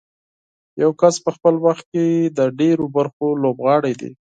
یو کس په خپل وخت کې د ډېرو برخو لوبغاړی دی.